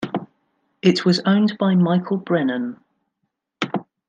It was owned by Michael Brennan.